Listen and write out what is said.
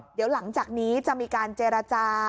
เดี๋ยวหลังจากนี้จะมีการเจรจา